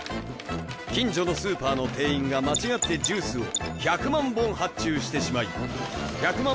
近所のスーパーの店員が間違ってジュースを１００万本発注してしまい１００万